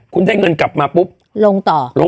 คุณได้เงินกลับมาปุ๊บลงต่อลง